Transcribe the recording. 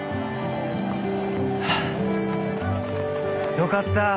よかった。